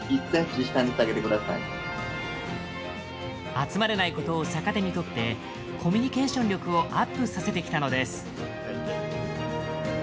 集まれないことを逆手にとってコミュニケーション力をアップさせてきたのです。